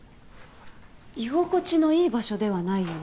居心地のいい場所ではないよね。